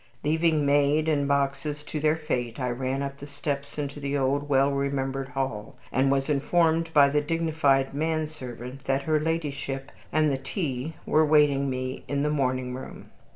Leaving maid and boxes to their fate, I ran up the steps into the old, well remembered hall, and was informed by the dignified man servant that her ladyship and the tea were awaiting me in the morning room.